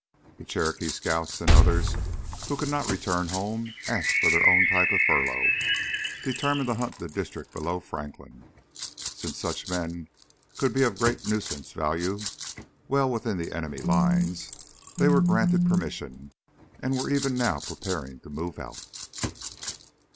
The Cherokee scout and others who could not return home asked for their own type of furlough, determined to hunt the district below Franklin. Since such men could be of great nuisance value well within the enemy lines, they were granted permission and were even now preparing to move out.